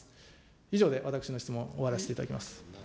以上で私の質問、終わらせていただきます。